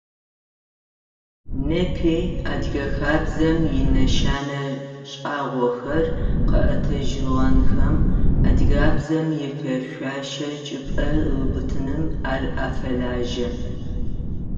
Непи адыгэ хабзэм инэшэнэ шӏагъохэр къэӏэтыжьыгъэнхэм, адыгабзэм ифэшъошэ чӏыпӏэ ыубытыным ар афэлажьэ.